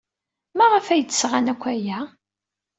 Maɣef ay d-sɣan akk aya?